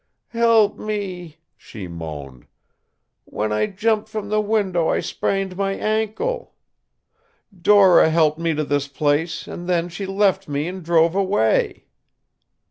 "Help me," she moaned. "When I jumped from the window I sprained my ankle. Dora helped me to this place and then she left me and drove away."